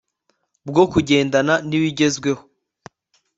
bwo kugendana ni bigezweho